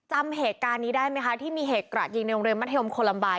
จำเหตุการณ์นี้ได้ไหมคะที่มีเหตุกระดยิงในโรงเรียนมัธยมโคลัมบาย